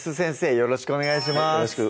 よろしくお願いします